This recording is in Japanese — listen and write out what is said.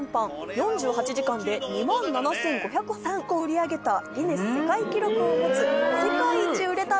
４８時間で２万７５０３個売り上げたギネス世界記録を持つ。